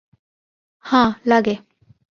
হাঁ, লাগে।